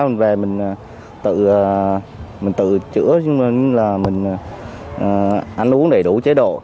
để mình tự chữa cho nên là mình ăn uống đầy đủ chế độ